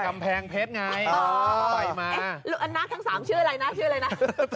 กำแพงเพชรไงนะทั้งสามชื่ออะไรนะชื่ออะไรนะ